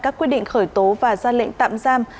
các quyết định khởi tố và ra lệnh tạm giam